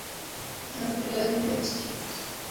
En la actualidad vive en Sitges.